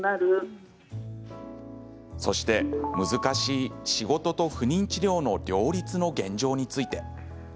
そして、難しい仕事と不妊治療の両立の現状について。